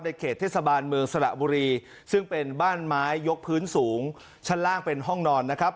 เขตเทศบาลเมืองสระบุรีซึ่งเป็นบ้านไม้ยกพื้นสูงชั้นล่างเป็นห้องนอนนะครับ